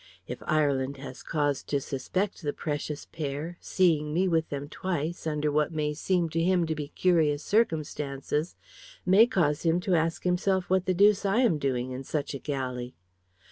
If Ireland has cause to suspect the precious pair, seeing me with them twice, under what may seem to him to be curious circumstances, may cause him to ask himself what the deuce I am doing in such a galley.